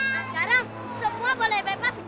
sekarang semua boleh bebas gak